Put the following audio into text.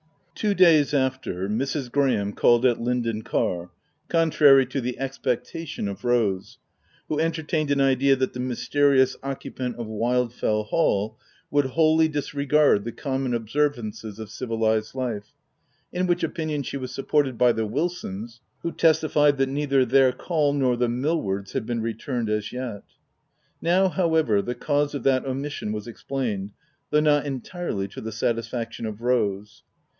Two days after, Mrs. Graham called at Linden Car, contrary to the expectation of Rose, who entertained an idea that the mysterious occiT pant of Wildfell Hall would wholly disregard the common observances of civilized life, — in which opinion she was supported by the Wil sons, who testified that neither their call nor the Millwards had been returned as yet. Now however, the cause of that omission was ex plained, though not entirely to the satisfaction of Rose.